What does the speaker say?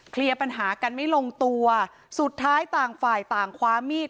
เคลียร์ปัญหากันไม่ลงตัวสุดท้ายต่างฝ่ายต่างคว้ามีด